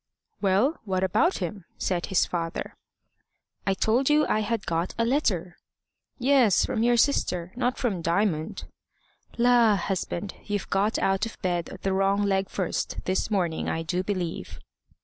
"Well, what about him?" said his father. "I told you I had got a letter." "Yes, from your sister; not from Diamond." "La, husband! you've got out of bed the wrong leg first this morning, I do believe."